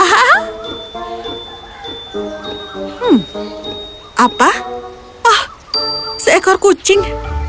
hmm apa oh seekor kucing